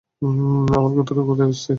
আমার গোত্র ক্ষুধায় অস্থির।